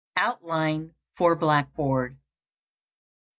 OUTLINE FOR BLACKBOARD.